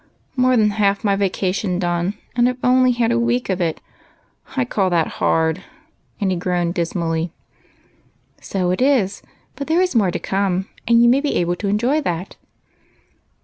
" More than half my vacation gone, and I 've only had a week of it ! I call that hard," and he groaned dismally. " So it is ; but there is more to come, and you may be able to enjoy that."